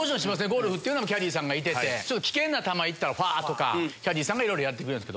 ゴルフってキャディーさんがいて危険な球行ったらファー！とかキャディーさんがいろいろやってくれる。